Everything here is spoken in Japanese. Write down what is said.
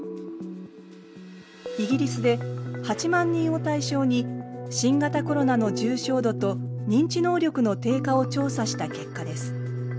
イギリスで８万人を対象に新型コロナの重症度と認知能力の低下を調査した結果です。